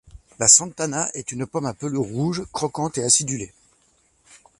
La Santana est une pomme à pelure rouge, croquante et acidulée.